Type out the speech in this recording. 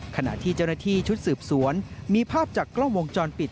ขณะที่เจ้าหน้าที่ชุดสืบสวนมีภาพจากกล้องวงจรปิด